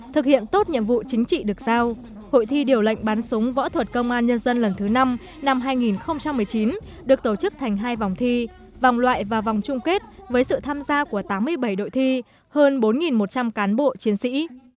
thực hiện tốt nhiệm vụ chính trị được giao hội thi điều lệnh bắn súng võ thuật công an nhân dân lần thứ năm năm hai nghìn một mươi chín được tổ chức thành hai vòng thi vòng loại và vòng chung kết với sự tham gia của tám mươi bảy đội thi hơn bốn một trăm linh cán bộ chiến sĩ